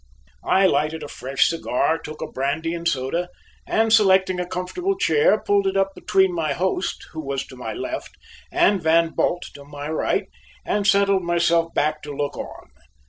I lighted a fresh cigar, took a brandy and soda, and selecting a comfortable chair, pulled it up between my host who was to my left and Van Bult to my right, and settled myself back to look on.